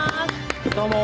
どうも！